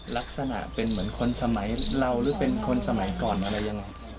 ลักษณะเป็นเหมือนคนสมัยเราหรือเป็นคนสมัยก่อนอะไรยังไง